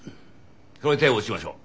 それで手を打ちましょう。